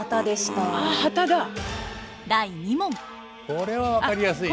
これは分かりやすいよ。